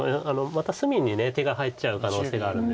また隅に手が入っちゃう可能性があるんです。